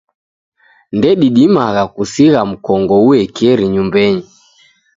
Ndedidimagha kusigha mkongo uekeri nyumbenyi.